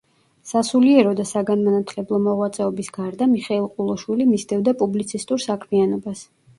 სასულიერო და საგანმანათლებლო მოღვაწეობის გარდა, მიხეილ ყულოშვილი მისდევდა პუბლიცისტურ საქმიანობას.